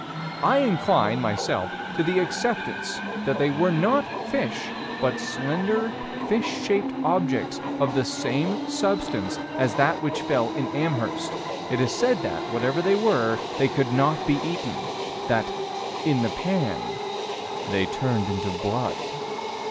I incline, myself, to the acceptance that they were not fish, but slender, fish shaped objects of the same substance as that which fell at Amherst it is said that, whatever they were, they could not be eaten: that "in the pan, they turned to blood."